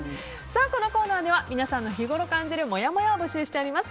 このコーナーでは皆さんの日ごろ感じるもやもやを募集しております。